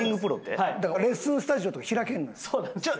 だからレッスンスタジオとか開けるの。